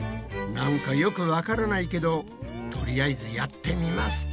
なんかよくわからないけどとりあえずやってみますか。